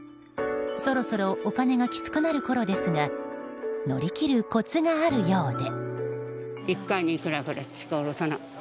そろそろお金がきつくなるころですが乗り切るコツがあるようで。